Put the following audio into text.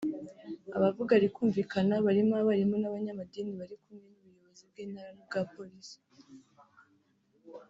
abavuga rikumvikana barimo abarimu n’abanyamadini bari kumwe n’ubuyobozi bw’Intara n’ubwa Polisi